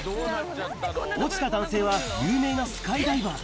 落ちた男性は有名なスカイダイバー。